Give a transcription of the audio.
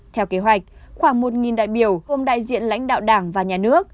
theo kế hoạch khoảng một đại biểu gồm đại diện lãnh đạo đảng và nhà nước